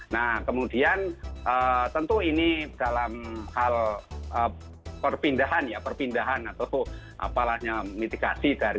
nah kemudian tentu ini dalam hal perpindahan ya perpindahan atau mitigasi dari pengguna motor ke transportasi umum